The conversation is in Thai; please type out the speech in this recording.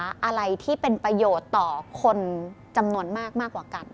อะไรที่เป็นประโยชน์ต่อคนจำนวนมากมากกว่ากัน